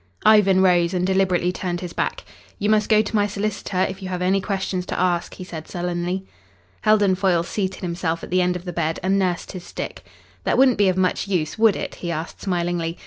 Ivan rose and deliberately turned his back. "You must go to my solicitor if you have any questions to ask," he said sullenly. Heldon Foyle seated himself at the end of the bed and nursed his stick. "That wouldn't be of much use, would it?" he asked smilingly.